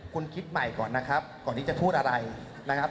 คุณคิดใหม่ก่อนนะครับก่อนที่จะพูดอะไรนะครับ